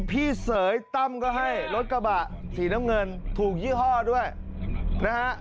พี่เสยตั้มก็ให้รถกระบะสีน้ำเงินถูกยี่ห้อด้วยนะฮะ